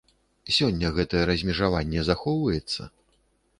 Сёння гэтае размежаванне захоўваецца?